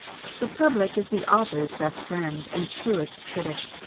The public is the author's best friend and truest critic.